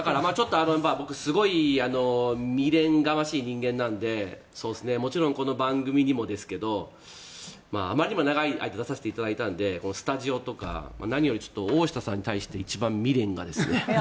僕すごい未練がましい人間なのでもちろんこの番組にもですけどあまりにも長い間出させていただいたのでスタジオとか何より大下さんに対して一番未練が。